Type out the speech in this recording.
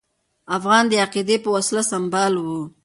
افغانان د عقیدې په وسله سمبال وو.